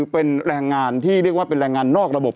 เป็นแรงงานที่เรียกว่าเป็นแรงงานนอกระบบ